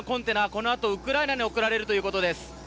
このあとウクライナに送られるということです。